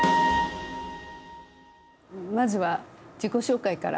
まずは自己紹介から。